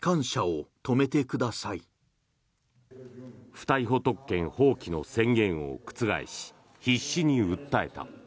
不逮捕特権放棄の宣言を覆し必死に訴えた。